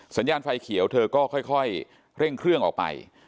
สัญญาณไฟเขียวเธอก็ค่อยเร่งเครื่องออกไป